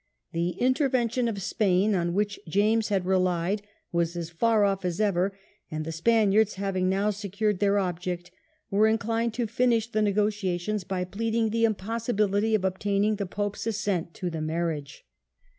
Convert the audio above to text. The "intervention" of Spain, on which James had relied, was as far off as ever; and the Spaniards, having now secured their object, were inclined to finish the negotiations by pleading the impossibility of obtaining the Pope's assent to the marriage.